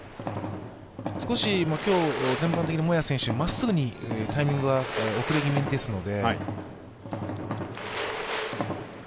少し今日、全体的にモヤ選手、まっすぐにタイミングが遅れ気味ですので。